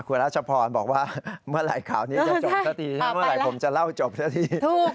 คุณรัชพรบอกว่าเมื่อไหร่ข่าวนี้จะจบซะทีเมื่อไหร่ผมจะเล่าจบซะที